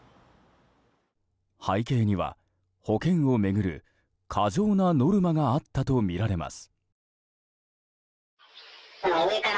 背景には保険を巡る過剰なノルマがあったとみられます。